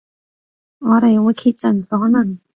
我哋會竭盡所能